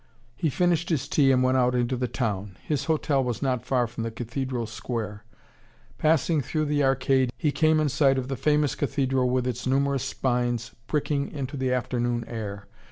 He finished his tea, and went out into the town. His hotel was not far from the cathedral square. Passing through the arcade, he came in sight of the famous cathedral with its numerous spines pricking into the afternoon air.